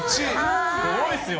すごいですよ。